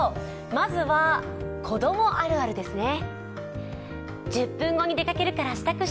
まずは、子供あるあるですね。